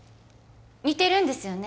似てるんですよね？